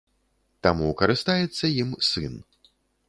Таму карыстаецца ім сын.